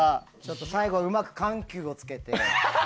最後、うまく緩急をつけて。